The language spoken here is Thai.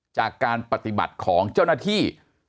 จากการปฏิบัติของเจ้าหน้าที่